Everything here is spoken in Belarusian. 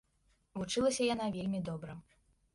Вучылася яна вельмі добра.